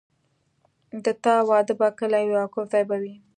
د تا واده به کله وي او کوم ځای به وي